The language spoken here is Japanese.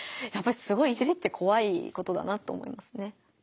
やっぱりすごい「いじり」ってこわいことだなと思いますね。